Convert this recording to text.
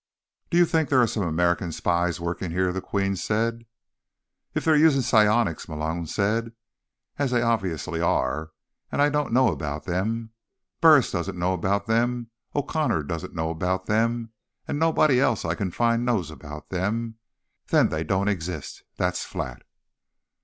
"Do you think there are some American spies working here?" the Queen said. "If they're using psionics," Malone said, "as they obviously are—and I don't know about them, Burris doesn't know about them, O'Connor doesn't know about them and nobody else I can find knows about them— then they don't exist. That's flat."